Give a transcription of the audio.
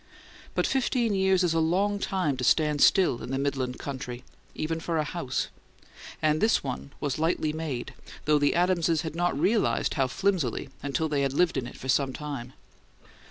But fifteen years is a long time to stand still in the midland country, even for a house, and this one was lightly made, though the Adamses had not realized how flimsily until they had lived in it for some time.